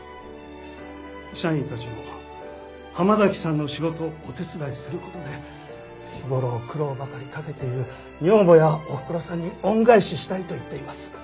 社員たちも浜崎さんの仕事をお手伝いする事で日頃苦労ばかりかけている女房やおふくろさんに恩返ししたいと言っています。